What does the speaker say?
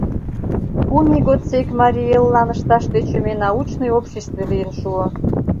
Кум ий годсек марий эллан ышташ тӧчымӧ научный обществе лийын шуо.